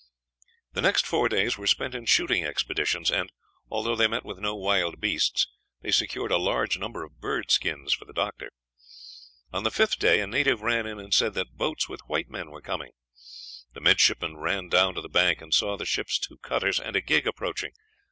The next four days were spent in shooting expeditions, and although they met with no wild beasts, they secured a large number of bird skins for the doctor. On the fifth day a native ran in and said that boats with white men were coming. The midshipmen ran down to the bank, and saw the ship's two cutters and a gig approaching.